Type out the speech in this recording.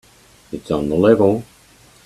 It's on the level.